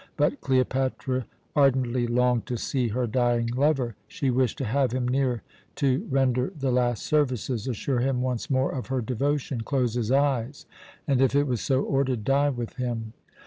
But Cleopatra ardently longed to see her dying lover. She wished to have him near to render the last services, assure him once more of her devotion, close his eyes, and, if it was so ordered, die with him.